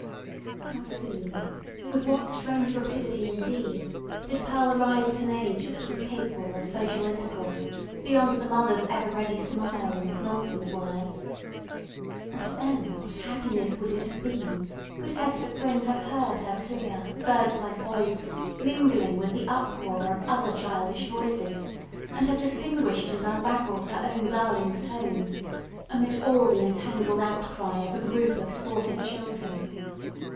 How soon—with what strange rapidity, indeed—did Pearl arrive at an age that was capable of social intercourse beyond the mother's ever ready smile and nonsense words! And then what a happiness would it have been could Hester Prynne have heard her clear, bird like voice mingling with the uproar of other childish voices, and have distinguished and unravelled her own darling's tones, amid all the entangled outcry of a group of sportive children.